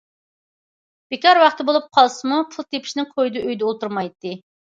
بىكار ۋاقتى بولۇپ قالسىمۇ پۇل تېپىشنىڭ كويىدا ئۆيدە ئولتۇرمايتتى.